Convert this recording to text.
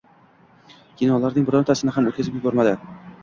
Kinolarning birontasini ham oʻtkazib yubormadi